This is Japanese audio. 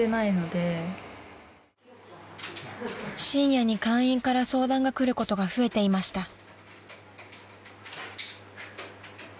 ［深夜に会員から相談がくることが増えていました］